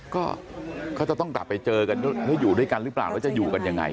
ก็เขาจะต้องกลับไปเจอกันแล้วอยู่ด้วยกันหรือเปล่าแล้วจะอยู่กันยังไง